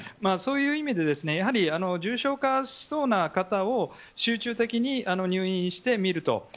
そういう意味で、やはり重症化しそうな方を集中的に入院して診ると。